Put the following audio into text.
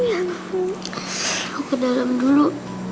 aku ke dalam dulu